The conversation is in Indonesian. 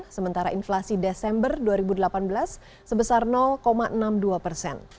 sementara inflasi desember dua ribu delapan belas sebesar enam puluh dua persen